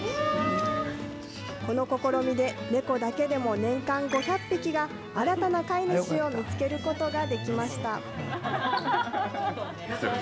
この試みで、猫だけでも年間５００匹が、新たな飼い主を見つけることができました。